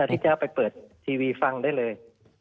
ที่จะเอาไปเปิดทีวีฟังได้เลย